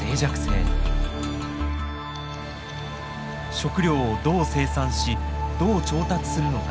食料をどう生産しどう調達するのか。